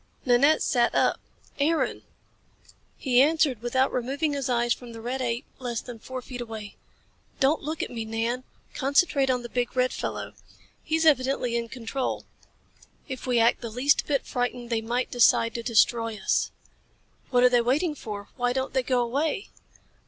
Nanette sat up. "Aaron!" He answered without removing his eyes from the red ape less then four feet away. "Don't look at me, Nan. Concentrate on the big, red fellow. He's evidently in control. If we act the least bit frightened they might decide to destroy us." "What are they waiting for? Why don't they go away?"